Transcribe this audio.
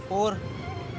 gue udah mikirin cucu sih